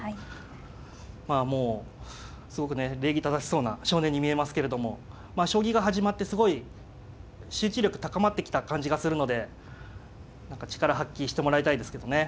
まあもうすごくね礼儀正しそうな少年に見えますけれども将棋が始まってすごい集中力高まってきた感じがするので何か力発揮してもらいたいですけどね。